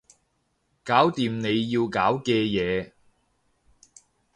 搞掂你要搞嘅嘢